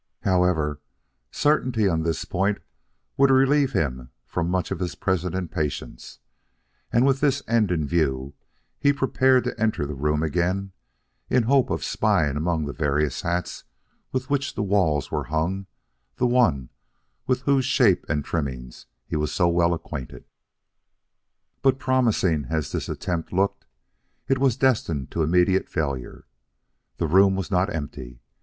However, certainty on this point would relieve him from much of his present impatience, and with this end in view he prepared to enter the room again in the hope of spying among the various hats with which the walls were hung the one with whose shape and trimming he was so well acquainted. But promising as this attempt looked, it was destined to immediate failure. The room was not empty.